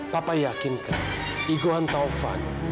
papa yakinkan iguan taufan